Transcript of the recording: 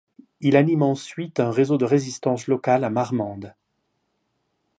Il anime ensuite un réseau de résistance locale à Marmande.